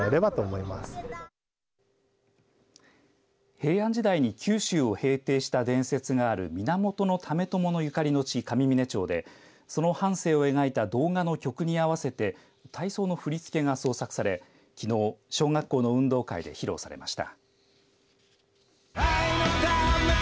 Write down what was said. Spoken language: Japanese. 平安時代に九州を平定した伝説がある源為朝のゆかりの地、上峰町でその半生を描いた動画の曲に合わせて体操の振り付けが創作されきのう小学校の運動会で披露されました。